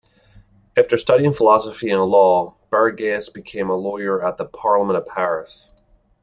After studying philosophy and law, Bergasse became a lawyer at the Parlement of Paris.